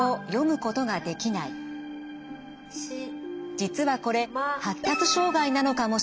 実はこれ発達障害なのかもしれません。